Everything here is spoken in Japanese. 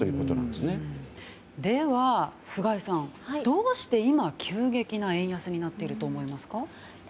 では、菅井さんどうして今、急激な円安になっていると思いますか？